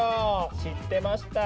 知ってました？